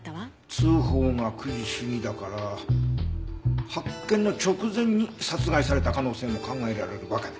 通報が９時過ぎだから発見の直前に殺害された可能性も考えられるわけだ。